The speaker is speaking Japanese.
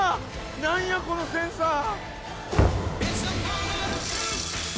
何やこのセンサー！